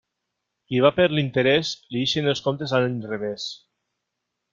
Qui va per l'interés, li ixen els comptes a l'inrevés.